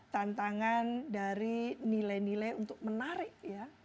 tantangan dari nilai nilai untuk menarik ya